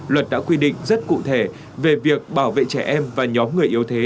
luật đã quy định rất cụ thể về việc bảo vệ trẻ em và nhóm người yếu thế